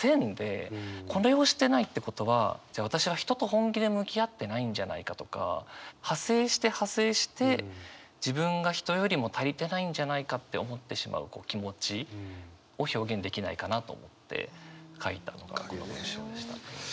これをしてないってことはじゃあ私は人と本気で向き合ってないんじゃないかとか派生して派生して自分が人よりも足りてないんじゃないかって思ってしまう気持ちを表現できないかなと思って書いたのがこの文章でした。